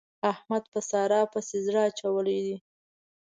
احمد په سارا پسې زړه اچولی دی.